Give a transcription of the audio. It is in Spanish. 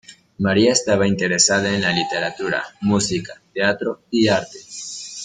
María estaba interesada en la literatura, música, teatro y arte.